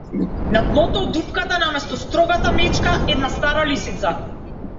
На дното од дупката, наместо строгата мечка - една стара лисица.